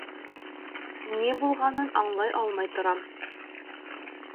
Ни булғанын аңлай алмай торам.